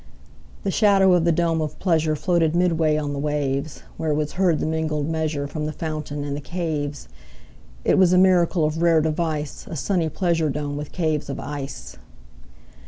30 The shadow of the dome of pleasure Floated midway on the waves; Where was heard the mingled measure From the fountain and the caves. It was a miracle of rare device, 35 A sunny pleasure dome with caves of ice!